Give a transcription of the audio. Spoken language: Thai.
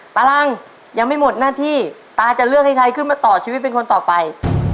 ตารังยังไม่หมดหน้าที่ตาจะเลือกให้ใครขึ้นมาต่อชีวิตเป็นคนต่อไป